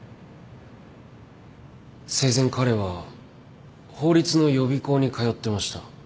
生前彼は法律の予備校に通ってました。